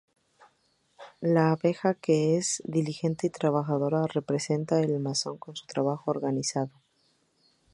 La abeja, que es diligente y trabajadora, representa el masón en su trabajo organizado.